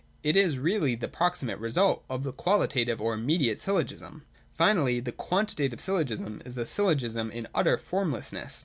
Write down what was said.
It is really the proximate result of the qualitative or immediate syllogism. Finally, the Quantitative syllogism is the syllogism in utter formlessness.